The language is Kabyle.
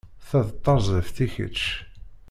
Ta d tarzeft i kečč.